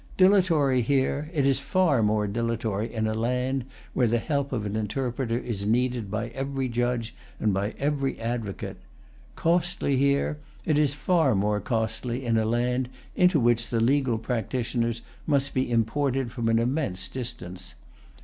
Dilatory here, it is far more dilatory in a land where the help of an interpreter is needed by every judge and by every advocate. Costly here, it is far more costly in a land into which the legal practitioners must be imported from an immense distance.